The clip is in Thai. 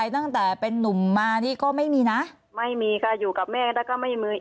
ตั้งแต่เป็นนุ่มมานี่ก็ไม่มีนะไม่มีค่ะอยู่กับแม่แล้วก็ไม่มี